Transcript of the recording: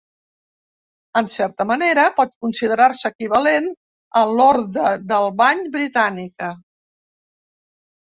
En certa manera pot considerar-se equivalent a l'Orde del Bany britànica.